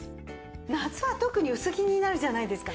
夏は特に薄着になるじゃないですか。